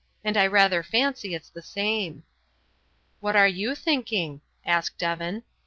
And I rather fancy it's the same." "What are you thinking?" asked Evan.